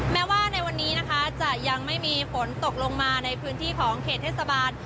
แม้ว่าในวันนี้นะคะจะยังไม่มีฝนตกลงมาในพื้นที่ของเขตเทศบาล